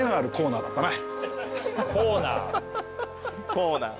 コーナー。